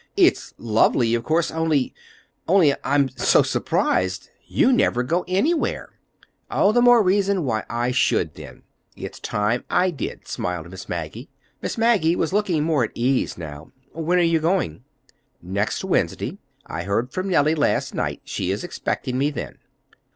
It's lovely, of course, only—only I—I'm so surprised! You never go anywhere." "All the more reason why I should, then. It's time I did," smiled Miss Maggie. Miss Maggie was looking more at ease now. "When are you going?" "Next Wednesday. I heard from Nellie last night. She is expecting me then."